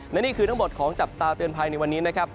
และนี่คือทั้งหมดของจับตาเตือนภัยในวันนี้นะครับ